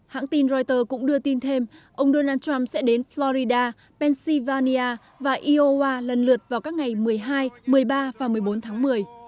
hãng tin reuters cũng đưa tin thêm ông donald trump sẽ đến florida pennsylvania và iowa lần lượt vào các ngày một mươi hai một mươi ba và một mươi bốn tháng một mươi